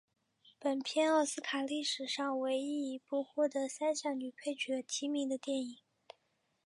本片奥斯卡历史上唯一一部获得三项女配角提名的电影。